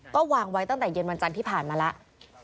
ก็วางไว้ตั้งแต่เย็นวันจันทร์ที่ผ่านมาแล้ว